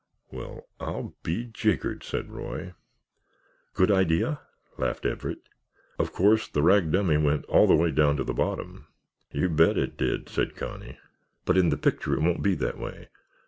'" "Well—I'll—be—jiggered!" said Roy. "Good idea?" laughed Everett. "Of course, the rag dummy went all the way down to the bottom——" "You bet it did," said Connie. "But in the picture it won't be that way.